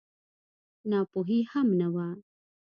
ناپوهي هم نه وه.